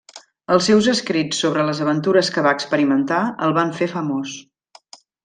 Els seus escrits sobre les aventures que va experimentar el van fer famós.